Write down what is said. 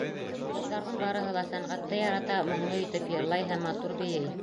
Ҡыҙҙарҙың барыһы ла сәнғәтте ярата, моңло итеп йырлай һәм матур бейей.